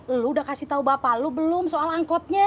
lo udah kasih tau bapak lo belum soal angkotnya